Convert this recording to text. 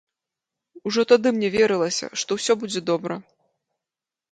Ужо тады мне верылася, што ўсё будзе добра.